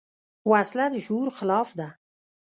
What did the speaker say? وسله د شعور خلاف ده